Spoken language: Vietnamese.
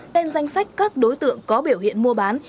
tên danh sách các đối tượng có biểu hiện mua bán